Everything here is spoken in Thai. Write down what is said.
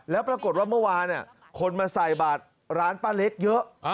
แล้วปรากฏว่าเมื่อวานคนมาใส่บาทร้านป้าเล็กเยอะ